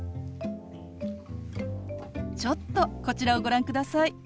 ちょっとこちらをご覧ください。